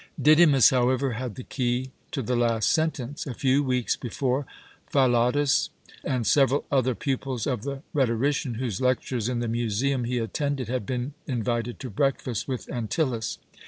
Didymus, however, had the key to the last sentence. A few weeks before, Philotas and several other pupils of the rhetorician whose lectures in the museum he attended had been invited to breakfast with Antyllus.